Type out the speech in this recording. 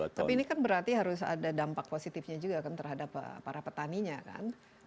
tapi ini kan berarti harus ada dampak positifnya juga kan terhadap para petaninya kan